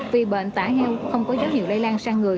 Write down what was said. vì bệnh tả heo không có dấu hiệu lây lan sang người